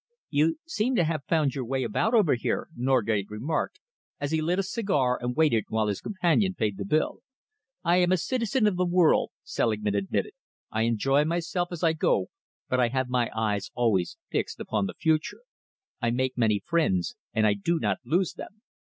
"You seem to have found your way about over here," Norgate remarked, as he lit a cigar and waited while his companion paid the bill. "I am a citizen of the world," Selingman admitted. "I enjoy myself as I go, but I have my eyes always fixed upon the future. I make many friends, and I do not lose them.